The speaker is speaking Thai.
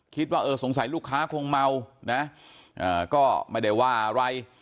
คิดว่าเออสงสัยลูกค้าคงเมานะก็ไม่ได้ว่าอะไร